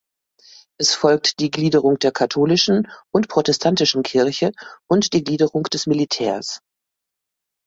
Es folgt die Gliederung der katholischen und protestantischen Kirche und die Gliederung des Militärs.